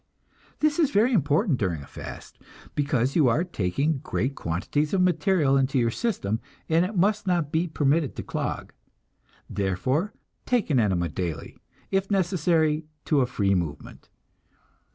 This is very important during a fast, because you are taking great quantities of material into your system and it must not be permitted to clog. Therefore take an enema daily, if necessary to a free movement.